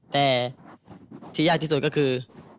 แต่ที่ยากที่สุดก็คือ